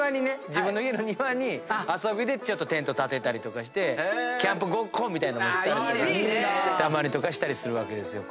自分の家の庭に遊びでちょっとテントたてたりとかしてキャンプごっこみたいなのもたまにしたりするわけですよ。